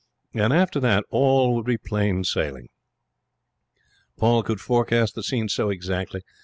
And after that all would be plain sailing. Paul could forecast the scene so exactly.